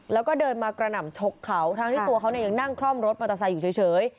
แล้วก็เดินมากระหน่ำชกเขาทั้งที่ตัวเขาเนี่ยยังนั่งคล่อมรถมอเตอร์ไซค์อยู่เฉย